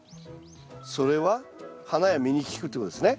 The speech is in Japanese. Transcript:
それは花や実に効くってことですね。